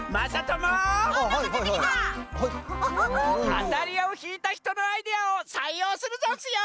あたりをひいたひとのアイデアをさいようするざんすよ！